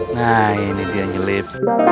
nah ini dia nyelip